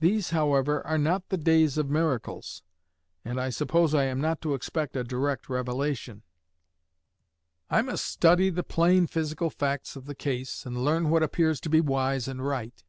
These, however, are not the days of miracles, and I suppose I am not to expect a direct revelation. I must study the plain physical facts of the case, and learn what appears to be wise and right....